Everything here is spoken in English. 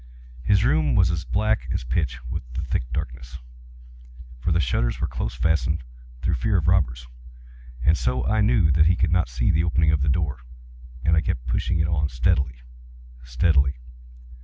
His room was as black as pitch with the thick darkness, (for the shutters were close fastened, through fear of robbers,) and so I knew that he could not see the opening of the door, and I kept pushing it on steadily, steadily.